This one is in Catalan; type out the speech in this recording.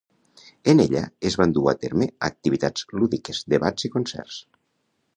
En ella es van dur a terme activitats lúdiques, debats i concerts.